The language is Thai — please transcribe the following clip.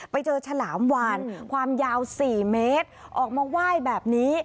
ฉลามวานความยาว๔เมตรออกมาไหว้แบบนี้